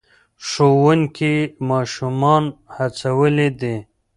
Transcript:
ښوونکي ماشومان هڅولي دي.